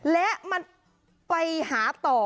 และมันไปหาต่อ